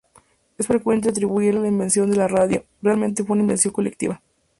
Es frecuente atribuirle la invención de la radio, realmente fue una invención colectiva.